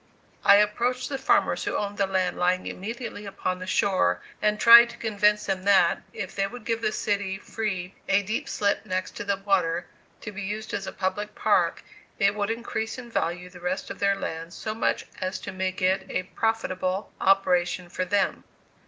I approached the farmers who owned the land lying immediately upon the shore, and tried to convince them that, if they would give the city free, a deep slip next to the water, to be used as a public park, it would increase in value the rest of their land so much as to make it a profitable operation for them.